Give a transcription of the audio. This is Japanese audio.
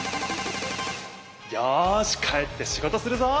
よし帰ってしごとするぞ！